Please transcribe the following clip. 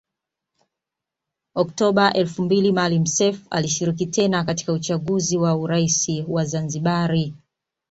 Oktoba elfu mbili Maalim Seif alishiriki tena katika uchaguzi wa urais wa Zanzibari